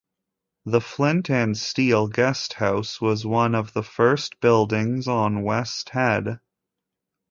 The Flint and Steel Guesthouse was one of the first buildings on West Head.